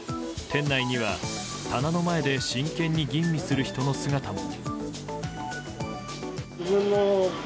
店内には、棚の前で真剣に吟味する人の姿も。